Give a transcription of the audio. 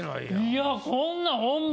いやこんなホンマ。